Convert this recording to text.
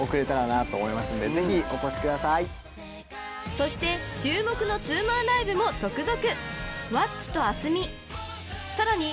［そして注目のツーマンライブも続々］